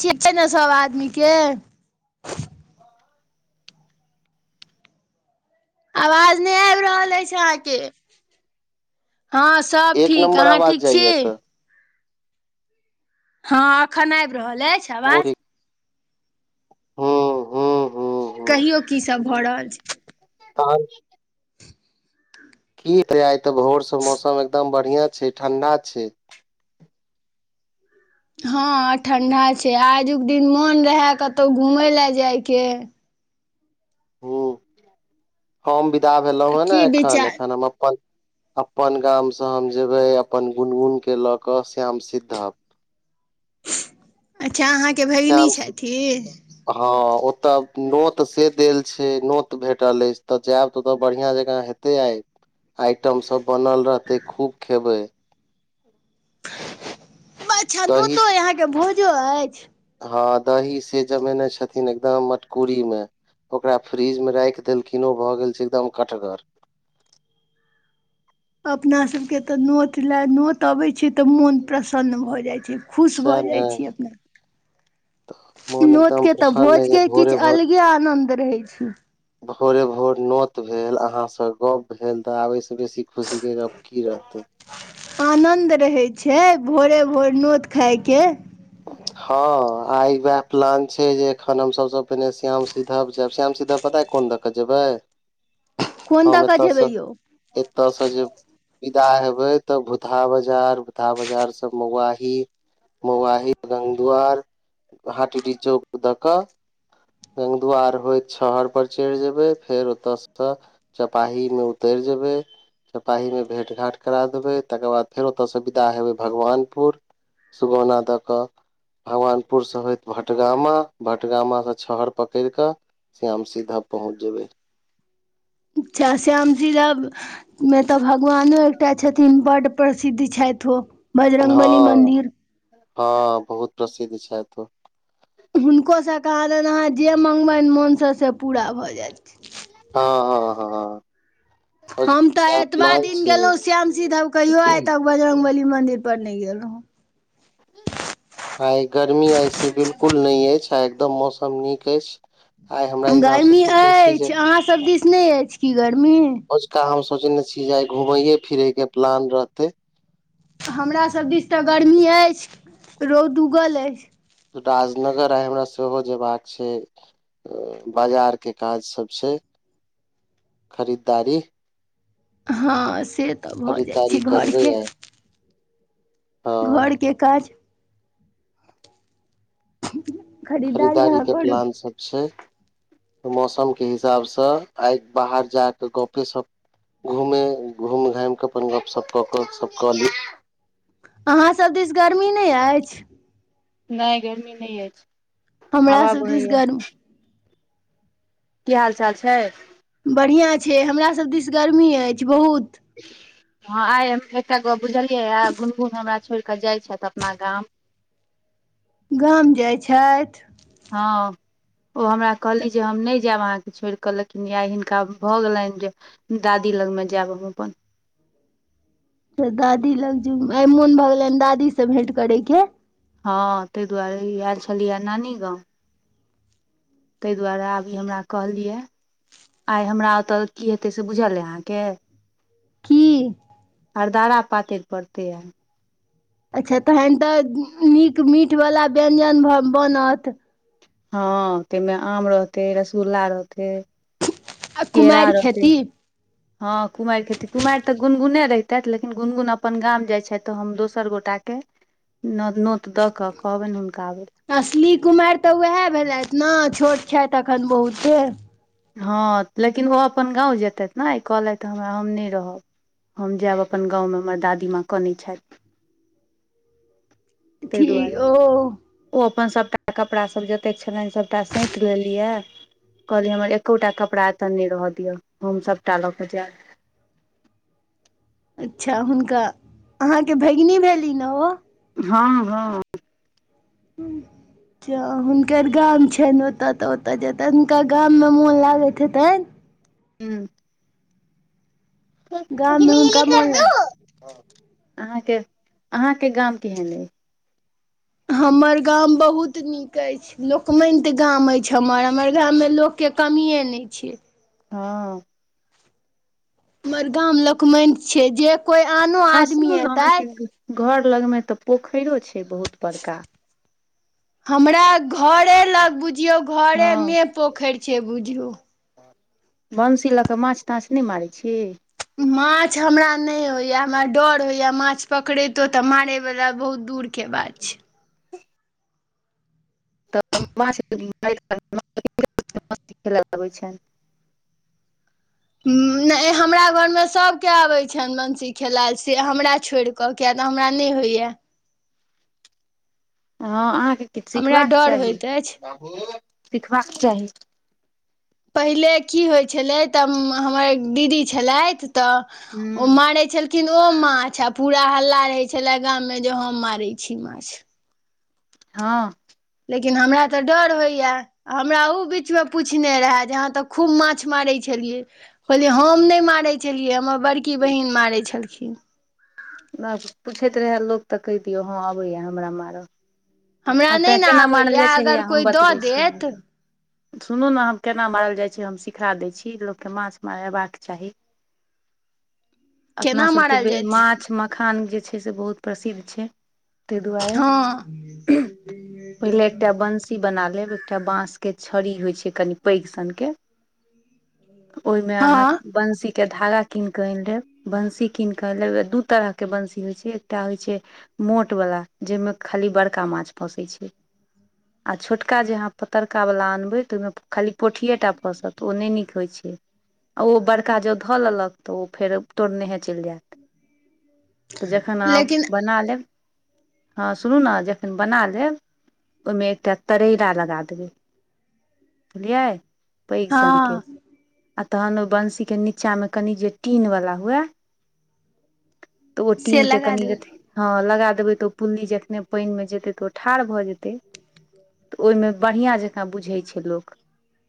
छे ने सभ आदमी के आवाज नहि आबि रहल अछि अहाँके ह सभ एक ठीक नम्बर अहाँ आवाज ठीक छी जाइया तऽ ह एखन आबि रहल अछि मुरी आवाज हूं हूं हूं हूं कहियो कि सभ भऽ रहल छै आ। कि तऽ आ ते भोर से मौसम एकदम बढ़िया छै ठंडा छै ह ठण्डा छै आजुक दिन मोन रहए कतहु घुमय लेलए जायबके हम बिदा तऽ भेलहुँ हे ने की एखन विचार एखन हम अपन अपन गाम से हम जेबै अपन गुनगुन के लऽ कऽ श्याम सिद्धप अच्छा अहाँकेँ भगिनी श्याम सिद्ध छथिन हँ ओ तऽ नोत से देल छै नोत भेटल अछि तऽ जायब तऽ ओतय बढ़िया जकाँ हेत एते आ आइटम सब बनल रहते खूब खेबे [unintelligible] दही नोतो यहाँ के भोजो ऐछ हँ दही से जमेने छथिन एकदम मटकुरी में ओकरा फ्रीज में राइख देलखिन ओ भऽ गेल छै एकदम कठगर। अपना सब केँ तऽ नोट लेल नोत अबैय छै तऽ मोन प्रसन्न भऽ जाइछै खुश भऽ सएह ने जाइछी अपना मोन नोत एकदम केँ तऽ प्रसन्न अइ भोज जे केँ भोरे किछ भोर अलगे आनन्द रहय छैय भोरे भोर नोत भेल अहाँ स गप्प भेल तऽ आब ये स बेसी खुशी केँ गप की रहतै आनन्द रहैत छै भोरे भोर नोत खाय केँ हँ आ वैह प्लान छै जे एखन हम सब पहिने श्याम सीध जायब श्याम सीध पता यऽ कोन द कऽ जेबै [inaudible] कोन दऽ हम कऽ एतयस जेबै यौ एतयस जे विदा हेबै तऽ भूतहा बाजार भूताह बाजार स महुआही मुआही गंगद्वार [inaudible] हाटीटी चौक द क गगंदुआर होयत छहरपर चैढ़ जेयबैय फेर ओत स चपाही में उतैर जेबैय चपाही में भेँट घाँट करा देबै तकरबाद फेर ओत स विदा हेबै भगवानपुर। सुगौना दऽ कऽ भगवानपुर स होयइत भटगामा भटगामा स छहड़ पकैर कऽ श्याम सीधा पहुँच जेबै अच्छ श्याम जी [unintelligible] भगवानो एकटा छथिन बड प्रसिद्धि छैथ ओ बजरंग बली हँ मंदिर [inaudible] हँ बहुत प्रसिद्धि छैथि ओ हुनको स कहाँ दिन अहाँ जें मँगबैन मोनस से पूरा भऽ जाइत छै [unintelligible] ओ जे हम तऽ एतबा दिन छै गेलौ श्यामसी धाम कहियो आ तक बजरंगबली मंदिर पर नै गेल रहुँ आइ गर्मी आइ से बिल्कुल नै ऐछ आइ एकदम मौसम नीक अछि। आइ हमरा हिसाब स सोचैत छी जे [unintelligible] उतने ऐछ की गर्मी आजुका हम सोचनेछी जे आइ घूमैये फिरे केँ प्लान रहतेय हमरा सब दिस तऽ गर्मी ऐछ रौद उगल ऐछ राजनगर आय हमरा सेहो जेयबा कऽ छैय बाजार केँ काज सब छै [inaudible] खरिददारी हँ सें तऽ भऽ जाइत खरीदारी छैय घर करबै केँ आइ घर हँ केँ काज खरीदारी खरीददारि अहाँ केँ करू प्लान सब छैय मौसम केँ हिसाब स आइ बाहर जाकेय गप्पे सप घूमें घूम घामै कऽ अपन गपशप केँ [unintelligible] अहाँ सभ दिस गर्मी नै ऐछ नै गर्मी नै ऐछ हमरा सब दिस गर्म कि हाल चाल छैय बढ़िआँ छै हमरा सब दिस गर्मी ऐछ बहुत हँ आइ एकटा गप्प बुझलियै गुनगुन हमरा छोड़ि क जाइ छथि अपना गाम गाम जाइ छथि हँ ओ हमरा कहलीह जें हम नहि जायब अहाँकेँ छोड़कें लेकिन याय हिनका भ गेलनि जें दादी लगमें जायब हम अपन त दादी लग जाउ आयमोन भऽ गेल दादी सें भेंट करेकेय हँ ताहि दुआरे ईआयल छलिह नानी गाँंव ताहि दुआरे आब ई हमरा कहलिये आइ हमरा ओत की हेतैय सें बुझलय अहाँके कि अरदारा पातैर परतैआई अच्छा तखन तऽ नीक मीठबला व्यञ्जन ब बनत। हँ ताहिमें आम रहतै रसगुल्ला रहतै आ केरा कुमारि रहतै खेती? हँ कुमारि खेती कुमारि तऽ गुनगुने रहित। तेँ त लेकिन गुनगुन अपन गाम जाइ छथि तऽ हम दोसर गोटा कें नो नोत दऽ कऽ कहबनि हुनका आबैले असली कुमारि तऽ उहेय भेलथि ने छोट छथि एखन बहुते हँ लेकिन ओ अपन गाँव जेतथि ने ई कहलथि हमरा हम नहि रहब। हम जायब अपन गाँवमे हमर दादीमाँ कनै छथि तय ठीक दुआरे ओ ओ अपन सभटा कपड़ासभ जतेक छलनि सभटा सैंत लेलिय कहलियै हमर एकोटा कपड़ा एतऽ नहि रहऽ दिअ हम सभटा लऽ कऽ जायब। अच्छा हुनका अहाँके भैगिनी भेली न ओ? हँ हँ हूँ हुनकर गाम छनि ओतय तऽ ओतय जेतनि हुनकर गाममे मोन लागैत हेतनि। हूँ गाममे हुनका मोन ल- अहाँके अहाँके गाम केहन अइ? हमर गाम बहुत नीक अछि। लोक माइन्त गाम अछि हमर हमर गाममे लोकके कमिए नहि छै। हँ हमर गाम लोक माइन्त छै जे कोई आनो आ आदमी सुनू ने एतै। अहाँके घर लगमे तऽ पोखैरो छै बहुत बड़का। हमरा घरे लग बुझियौ हँ घरेमे पोखरि छै बुझियौ। बंसी लऽ कऽ माछ ताछ नहि मारै छी? माछ हमरा नहि होइया हमरा डर होयया माछ पकड़ैतो तऽ मारे वाला बहुत दूर के बात छै। [inaudible] [unintelligible] [inaudible] नहि हमरा घरमे सभके आबै छनि बंसी खेलायल से हमरा छोड़िकऽ किया तऽ हमरा नहि होइएा। हँ अहाँके किछु हमरा सिखबाक डर चाही होइत अछि सिखबाक चाही। पहिले की होइत छलै तऽ हमर दीदी छलथि तऽ ओ हूँ मारे छलखिन लेकिन ओ माछ आ पूरा हल्ला रहे छले गाम मे जे हम मारै छी माछ। ह लेकिन हमरा तऽ डर होइ या हमरा ओ बीच मे पूछने रहए जे अहाँ तऽ खूब माछ मारैत छलिय कहलियए हम नहि मारै छलियै हमर बड़की बहिन मारे छलखिन। नहि पुछैत रहै लोक तऽ कहि दियौ हँ अबैया हमरा मारऽ। हमरा आब नहि तऽ ने केना आबैए मारल जाइत छै हय अगर हम कोइ दऽ बतबै छिय देत अहाँकेँ। सुनू ने हम केना मारल जाइत छै हम सिखा दै छी लोककेँ माछ मारयबाक चाही। [inaudible] केना अपनासभके मारल बे जाइ छै माछ मखान जे छै से बहुत प्रसिद्ध छै। ताहि दुआरे ह पहिले एकटा। बंसी बना लेब एकटा बांस के छड़ी होई छै कनि पैग सन के ओहिमे अहा हँ बंशी के धारा कीन के अनि ले बंसी कीन के अनि ले दू तरह के बंशी होई छै एकटा होई छै मोटवला जाहि मे खाली बड़का माछ फोसैत छै। आ छोटका जे अहाँ पतरकावला अनबै तऽ ओहिमे खाली पोठिटा फँसत ओ नहि नीक होइत छै ओ बड़का जँ धऽ लेलक तऽ ओ फेर तोड़नेहे चलि जायत तऽ जखन आब लेकिन बना लेब हँ सुनू ने जे नै बना लेब ओहिमे एकटा तरैला लगा देबै बुलियै पैघ हँ संकेत आ तहन ओ बंशी के नीचा मे कनि जे टीन वाला हुए। तऽ ओ से टीन के लगा कनि देबै अथी लगा देबे ते ओ पुलनी जे जखने पइन मे जेतै तऽ ओ ठाढ़ भए जेतै तऽ ओहि मे बढ़िया जकाँ बुझै छै लोक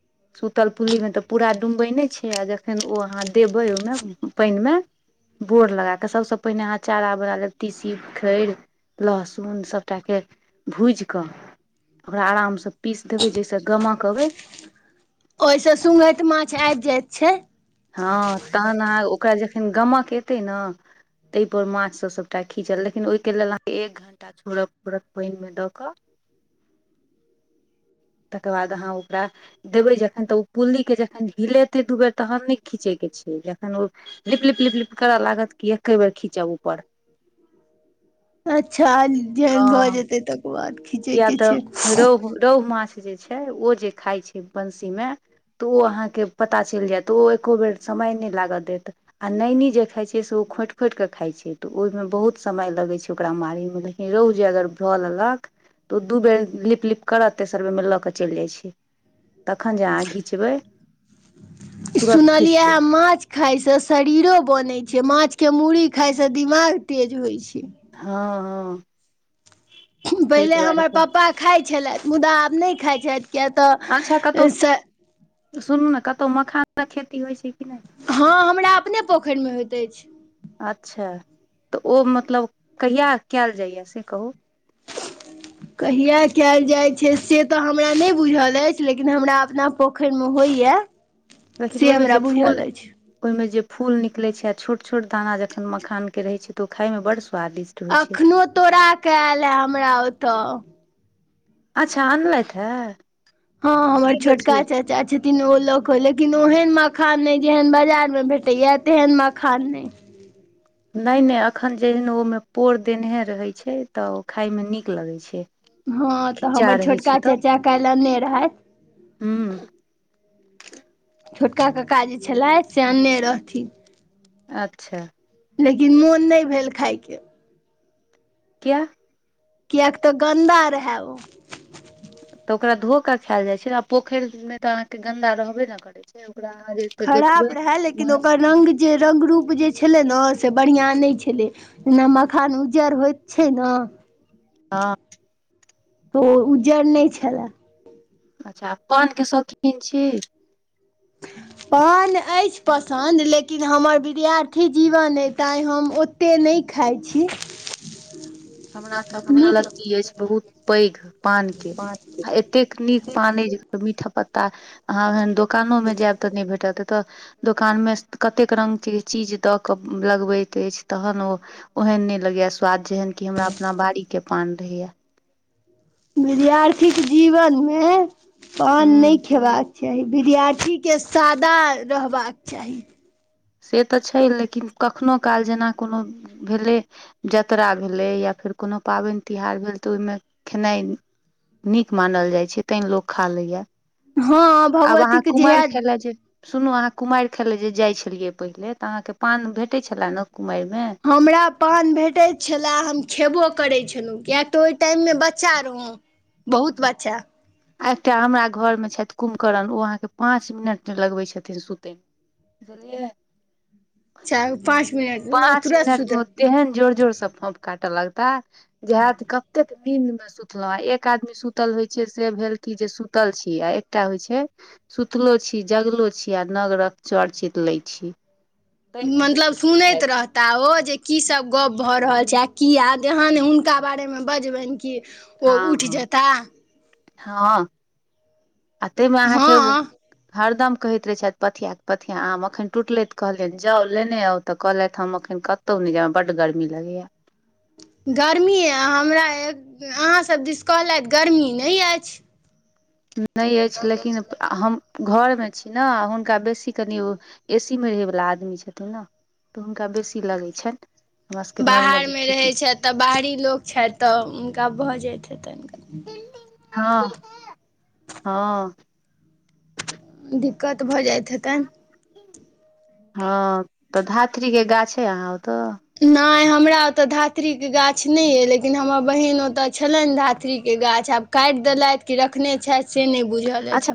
[inaudible] सुतल पुल्लीमे तऽ पूरा डूमबै नहि छै आ जखन ओ अहाँ देबे ओहि मे पानि मे बोर लगा कऽ सभसे पहिने अहाँ चारा बना लेब तीसीखैर लहसुन सभ सभटा के भूज कऽ ओकरा आरामसँ पीस देबै जाहिस गमक अबै ओहिसँ सघैत माछ आबि जाइत छै। ह तहन अहाँ ओकरा जखन गमक एयतै ने ताहि पर माछ सभ सभटा खीचल लेकिन ओहि के लेलऽ अहाँ एक घंटा छड़ फड़ पहि मेदक तकर बाद अहा ओकरा देबे जखन तऽ ओ पुल्ली के जखन हिलेते दू बेर तहन नै खीचैके छै जखन ओ लिपलिप लिपलिप कर लागत कि एके बेर खिंचब ऊपर [inaudible] अच्छा फेर जेहन भऽ हँ जेत तक बाद ख किया तऽ रोहु रोहु माछ जे छै ओ जे खाइत छै बंशी मे तऽ ओ अहाँकेँ पता चलि जायत ओ एके बेर समय नहि लागय देत आ नैनी जे खा छै से ओ खोटि खोटि कऽ खाइत छै तऽ ओहिमे बहुत समय लगैत छै ओकरा मारैमे रोहु जे अगर भऽ लेलऽ कऽ तऽ ओ दू बेर लिप लिप करत तेसर बेर मे लऽ कऽ चलि जाइत छै तखन जे अहाँ घिचबै सुनलियै या माछ खायसँ शरीरो बनैत छै माछ के मूही खाइसँ दिमाग तेज होइत छै ह ह पहिले हमर कह पापा खाइत छलैथ मुद्दा आब नय खाइ छैथ किया अच्छा कतहु तऽ सुनू ने कतो मखानक खेती होइ छै कि नय हँ हमरा अपने पोखेर मे होइत ऐछ अच्छा तऽ ओ मतलब कहिय कयल जाइए से कहू [inaudible] कहिय कयल जाइत छै से तऽ हमरा नय बुझल ऐछ लेकिन हमरा अपना पोखेर मे होइए से हमरा बुझल ऐछ ओय में जे फूल निकले छै आ छोट छोट दाना जखन मखान के रहे छै ते उ खाय मे बड़ स्वादिष्ट होइ छै अखनो तोड़ कऽ आयल ए हमरा ओतय अच्छा आन लैथ ह हँ हमर छोटका चच चा छथिन ओ लोक हो लेकिन ओहन मखान नय जेहन बाजार मे भेटैया तेहन मखान नय नय नय एखन जेहन ओहिमे पोर देनेहे रहैत छै तऽ ओ खायमे नीक लगैत छै हँ तऽ खिज्जा हमर रहै छै छोटका चाचा काल्ह आनने रहैथ हूँ छोटका कक्का जे छलैथ से अनने रहथिन अच्छा लेकिन मोन नय भेल खायके किया कियक तऽ गन्दा रहै ओ तऽ ओकरा धो के खायल जाय छै ने आ पोखरि मे तऽ अहाँ के गन्दा रहबे नै करे छै ओकरा अहाँ जे तऽ देखबै खराब रहै लेकिन माछ ओकर रंग जे रंगरूप जे छलै ने से बढ़िआँ नय छलै जेना मखान उज्जर होइत छै न हँ वो उज्जर नय छलए अच्छा पान के शौकीन छी [inaudible] पन ऐछ पसन्द लेकिन हमर विद्यार्थी जीवन ऐछ तै हम ओ अते नय खाइ छी हमरा तऽ अपने नीक लत्ती ऐछ बहुत पैघ पान के आ ए एतेक नीक पान अ जे मीठा पत्ता अहाँ ओहन दोकानो मे जायब तऽ नय भेटत एतऽ दोकान मे कतेक रंग के चीज दऽ कऽ लगबैत अछि तखन ओ ओहेन नय लगैया स्वाद जेहन की हमरा अपना बारी के पान रहैया विद्यार्थी के जीवन मे पान हूँ नय खेबाक चाही विद्यार्थी के सादा रहबाक चाही से तऽ छै लेकिन कखनो काल जेना कोनो भेलै जतरा भेलै या फेर कोनो पाबैन तिहार भेल तऽ ओहिमे खेनाइ नीक मानल जाइ छै तैं लोक खा लैया हँ आब अहाँ भगवतीके जहिया कुमैर खाय ले जे सुनू अहाँ कुमैर खाय लए जे जाइत छलियै पहिले तऽ अहाँके पान भेटैय छले ने कुमैर मे हमरा पान भेटैत छलए हम खेबो करै छलो किएक तऽ ओह टाइम मे बच्चा रहौं बहुत बच्चा आ एकटा हमरा घरमे छैथ कुमकर्ण ओ अहाँके पाँच मिनट नय लगबै छथिन सुतयमे बुझलियै चार पाँच मिनट पाँच उतरत मिनट सुत मे ओ तेहन जोर जोर से फोफ काटे लगता जे हेत कतेक नींद में सुतलौं आ एक आदमी सुतल होइ छै से भेल कि जे सुतल छी आ एकटा होइ छै सुतलो छी जगलो छी आ नगरक चर चित लै छी मतलब सुनैत रह ताओ जे कीसब गप भऽ रहल छै आ कीया जहन हुनका बारेमे बजबनि कि ओ हँ उठि हँ जेता हँ आ तईमे अहाँके हँ हरदम कहैत रहै छथि पथियाके पथिया आम एखन टूटलथि तऽ कहलियनि जाउ लेने आउ तऽ कहलथि हम एखन क कतो नै जाब बड गर्मी लगैया गरमी य हमरा अहाँसब दिस कहलथि गर्मी नै अछि नै अछि लेकिन प हम घरमे छी न हुनका बेसी कनि एसी मे रहैवला आदमी छथिन न तोऽ हुनका बेसी लगै छनि हमरा सबके नॉर्मल बाहर अइ मे ठीक अइ। रहैत छथि तऽ बाहरी लोक छथि तऽ हुनका भऽ जाइत हेतनि का हँ हँ दिक्कत भऽ जाइत हेतनि हँ तऽ धातृके गाछ अइ अहाँ ओ तऽ नय हमरा ओतय धातृके गाछ नै अइ लेकिन हमर बहिन ओतय छलनि धातरीके गाछ आब काटि देलथि कि रखने छथि से नै बुझल अछि अच्छा हम